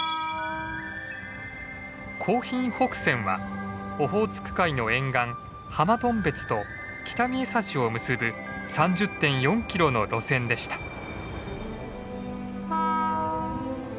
興浜北線はオホーツク海の沿岸浜頓別と北見枝幸を結ぶ３０．４キロの路線でした。